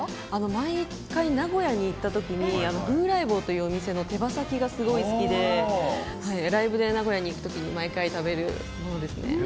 毎回、名古屋に行ったときに、ふうらいぼうっていうお店の手羽先がすごい好きで、ライブで名古屋に行くときに、毎回食べるものですね。